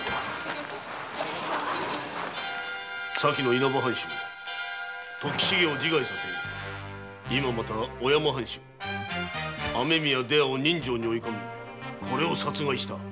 前の稲葉藩主時重を自害させ今また小山藩主雨宮出羽をにん傷に追い込み殺害した。